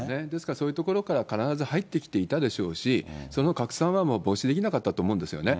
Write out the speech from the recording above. そういうところから必ず入ってきていたでしょうし、その拡散は防止できなかったと思うんですよね。